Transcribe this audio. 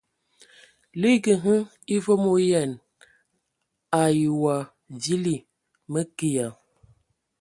Liigi hm e vom o ayǝan ai wa vili. Mǝ ke ya !